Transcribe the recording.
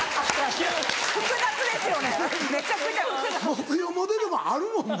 目標モデルはあるもんな。